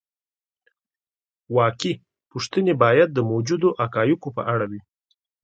واقعي پوښتنې باید د موجودو حقایقو په اړه وي.